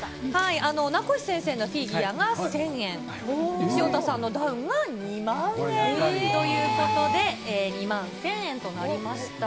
名越先生のフィギュアが１０００円、潮田さんのダウンが２万円ということで、２万よしよし。